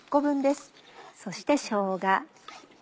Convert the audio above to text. そしてしょうが。